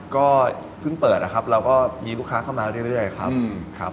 ก็เพิ่งเปิดนะครับเราก็มีลูกค้าเข้ามาเรื่อยครับครับ